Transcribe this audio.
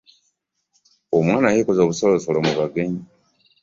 Omwana y'ekoze obusolosolo mu bagenyi.